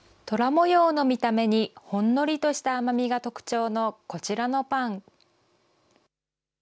とら模様の見た目にほんのりとした甘みが特徴のこちらのパン。